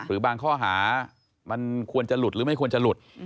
หรือบางข้อหามันควรจะหลุดหรือไม่ควรจะหลุด